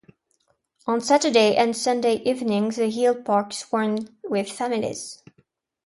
On Saturday and Sunday evenings the hill park swarmed with families.